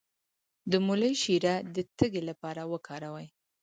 د مولی شیره د تیږې لپاره وکاروئ